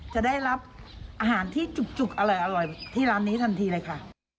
จะได้รับอาหารที่จุกอร่อยที่ร้านนี้ทันทีเลยค่ะ